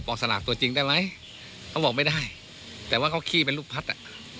สลากตัวจริงได้ไหมเขาบอกไม่ได้แต่ว่าเขาขี้เป็นลูกพัดอ่ะ